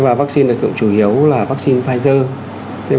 và vaccine được sử dụng chủ yếu là vaccine pfizer